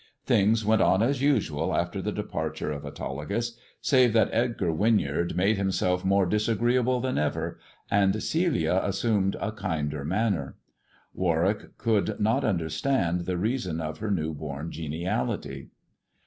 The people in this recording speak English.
Things went on as usual after the departure of Autolycus, save that Edgar Winyard made himself more disagreeable than ever, and Celia assumed a kinder manner. Warwick could not understand the reason of her new born geniality.